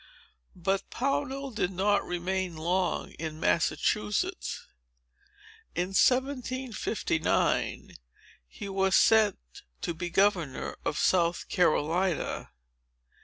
But Pownall did not remain long in Massachusetts. In 1759, he was sent to be governor of South Carolina.